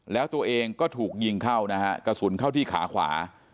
แล้วตัวเองก็ถูกยิงเข้านะฮะกระสุนเข้าที่ขาขวา